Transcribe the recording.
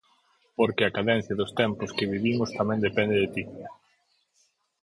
Porque a cadencia dos tempos que vivimos tamén depende de ti.